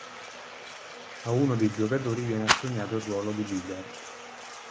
A uno dei giocatori viene assegnato il ruolo di Leader.